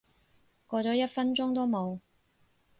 過咗一分鐘都冇